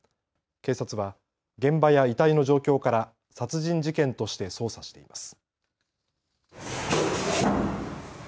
警察は現場や遺体の状況から殺人事件として捜査しています。